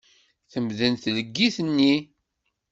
Temdel tleggit-nni.